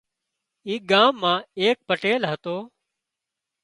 اي ڳام مان ايڪ پٽيل هتو